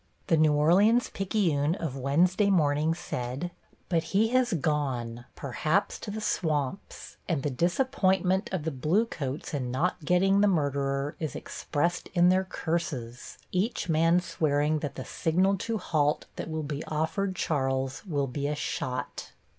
The New Orleans Picayune of Wednesday morning said: But he has gone, perhaps to the swamps, and the disappointment of the bluecoats in not getting the murderer is expressed in their curses, each man swearing that the signal to halt that will be offered Charles will be a shot.